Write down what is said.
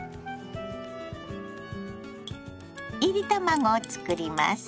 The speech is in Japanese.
いり卵を作ります。